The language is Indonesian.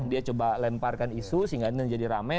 dia coba lemparkan isu sehingga ini menjadi rame